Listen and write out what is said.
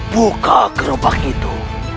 buka gerobak itu